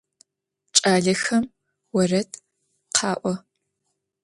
Ç'alexem vored kha'o.